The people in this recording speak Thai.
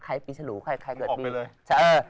ใครปีฉลูใครเกิดปี